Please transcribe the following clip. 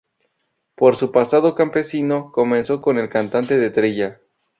Por su pasado campesino comenzó con el cante de trilla.